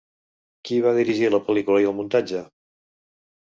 Qui va dirigir la pel·lícula i el muntatge?